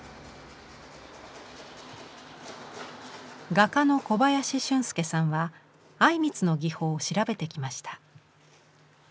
画家の小林俊介さんは靉光の技法を調べてきました。